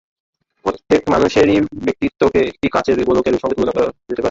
প্রত্যেক মানুষেরই ব্যক্তিত্বকে একটি কাঁচের গোলকের সঙ্গে তুলনা করিতে পারা যায়।